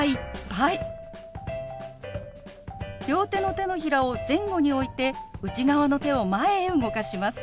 両手の手のひらを前後に置いて内側の手を前へ動かします。